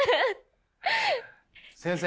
先生。